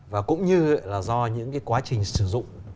và cũng như là do những cái quá trình sử dụng